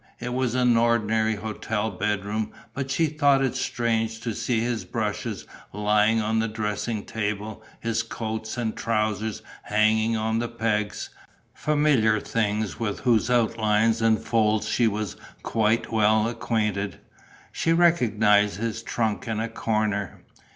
It was an ordinary hotel bedroom; but she thought it strange to see his brushes lying on the dressing table, his coats and trousers hanging on the pegs: familiar things with whose outlines and folds she was well acquainted. She recognized his trunk in a corner.